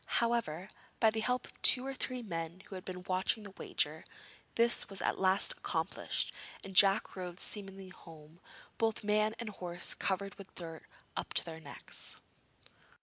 However, by the help of two or three men who had been watching the wager, this was at last accomplished, and Jack rode smilingly home, both man and horse covered with dirt up to their necks.